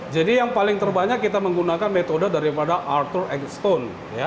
jadi yang paling terbanyak kita menggunakan metode daripada arthur eggstone